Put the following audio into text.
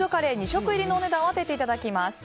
２食入りのお値段を当てていただきます。